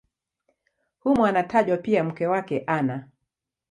Humo anatajwa pia mke wake Ana.